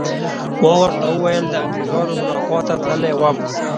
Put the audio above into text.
ما ورته وویل: د انګریزانو ملاقات ته تللی وم.